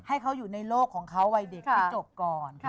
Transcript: ให้เขาอยู่ในโลกของเขาวัยเด็กให้จบก่อน